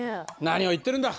何を言ってるんだ。